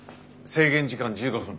制限時間１５分。